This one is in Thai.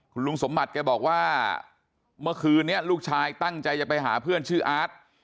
คุณลุงสมบัติแกบอกว่าเมื่อคืนนี้ลูกชายตั้งใจจะไปหาเพื่อนชื่ออาร์ต